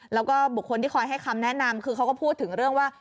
แล้วก็บุคคลที่คอยให้คำแนะนำคือเขาก็พูดถึงเรื่องว่า